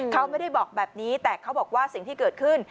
เขาไม่ได้บอกแบบนี้แต่เขาบอกว่าสิ่งที่เกิดขึ้น